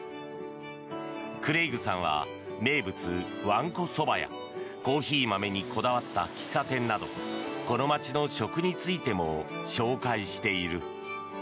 クレイグさんは名物、わんこそばやコーヒー豆にこだわった喫茶店などこの街の食についても紹介している。